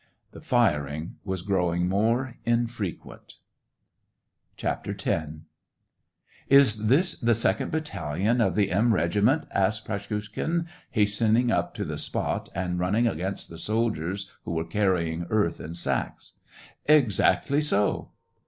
The firing was growing more infrequent. SEVASTOPOL IN MAY. 8/ X. "Is this the second battalion of the M regiment ?" asked Praskiikhin, hastening up to the spot, and running against the soldiers who were carrying earth in sacks. " Exactly so."